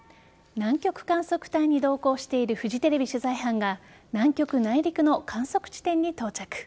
南極観測隊に同行しているフジテレビ取材班が南極内陸の観測地点に到着。